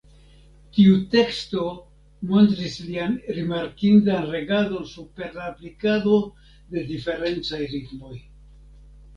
Tiu teksto montris lian rimarkindan regadon super la aplikado de diferencaj ritmoj.